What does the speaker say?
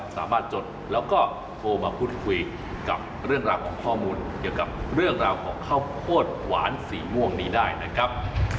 จดแล้วก็โทรมาพูดคุยกับเรื่องราวของข้อมูลเกี่ยวกับเรื่องราวของข้าวโพดหวานสีม่วงนี้ได้นะครับ